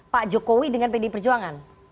pak jokowi dengan pdi perjuangan